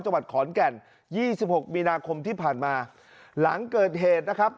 จังหวัดขอนแก่นยี่สิบหกมีนาคมที่ผ่านมาหลังเกิดเหตุนะครับ